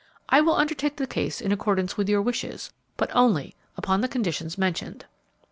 I will undertake the case in accordance with your wishes, but only upon the conditions mentioned."